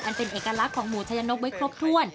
เป็นเอกลักษณ์ของหมูชัยนกไว้ครบถ้วน